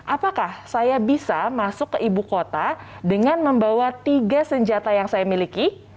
apakah saya bisa masuk ke ibu kota dengan membawa tiga senjata yang saya miliki